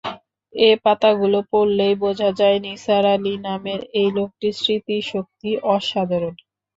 এ পাতাগুলো পড়লেই বোঝা যায়, নিসার আলি নামের এই লোকটির স্মৃতিশক্তি অসাধারণ।